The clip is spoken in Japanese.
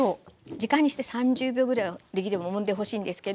時間にして３０秒ぐらいはできればもんでほしいんですけど。